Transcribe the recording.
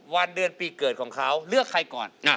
วันเดือนปีเกิดของเขาเลือกใครก่อน